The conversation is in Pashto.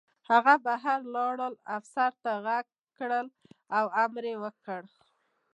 هغه بهر ولاړ افسر ته غږ کړ او امر یې وکړ